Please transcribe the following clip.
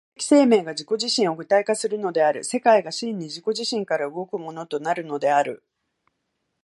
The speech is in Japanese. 歴史的生命が自己自身を具体化するのである、世界が真に自己自身から動くものとなるのである。